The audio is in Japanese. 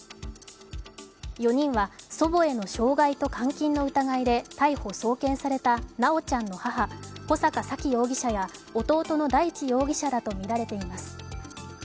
４人は祖母への傷害と監禁の疑いで逮捕・送検された修ちゃんの母・穂坂沙喜容疑者や弟の大地容疑者らとみられています。